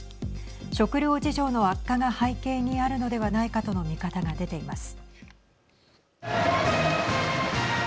食料事情の悪化が背景にあるのではないかとの見方が出ています。